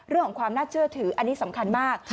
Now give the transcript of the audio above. เรื่องของความน่าเชื่อถืออันนี้สำคัญมาก